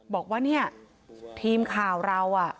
บอกว่าเนี่ยทีมข่าวเรา